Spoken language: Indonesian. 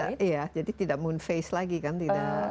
iya jadi tidak moon phase lagi kan tidak